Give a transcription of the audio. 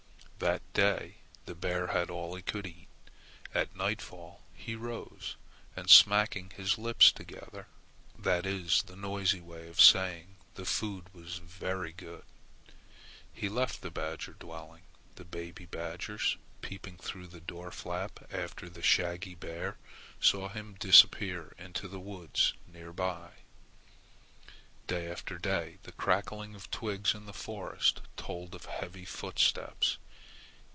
That day the bear had all he could eat. At nightfall he rose, and smacking his lips together, that is the noisy way of saying "the food was very good!" he left the badger dwelling. The baby badgers, peeping through the door flap after the shaggy bear, saw him disappear into the woods near by. Day after day the crackling of twigs in the forest told of heavy footsteps.